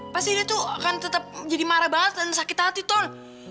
pasti dia tuh akan tetap jadi marah banget dan sakit hati ton